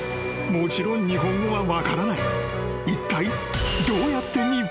［もちろん日本語は分からない］